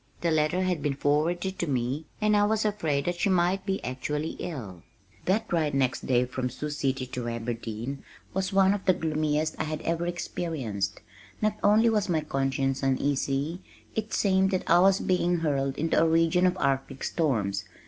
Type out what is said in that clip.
The letter had been forwarded to me and I was afraid that she might be actually ill. That ride next day from Sioux City to Aberdeen was one of the gloomiest I had ever experienced. Not only was my conscience uneasy, it seemed that I was being hurled into a region of arctic storms.